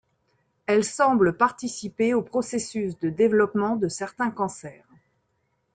Elle semble participer au processus de développement de certains cancers.